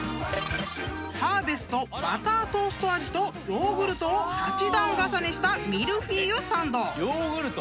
［ハーベストバタートースト味とヨーグルトを８段重ねしたミルフィーユサンド］